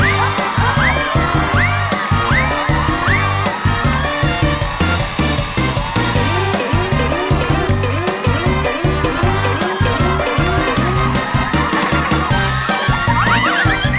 เดี๋ยวเดี๋ยว